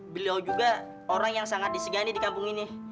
beliau juga orang yang sangat disegani di kampung ini